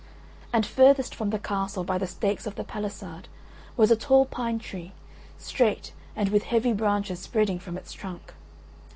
And furthest from the castle, by the stakes of the pallisade, was a tall pine tree, straight and with heavy branches spreading from its trunk.